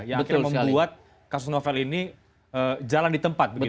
yang akhirnya membuat kasus novel ini jalan di tempat begitu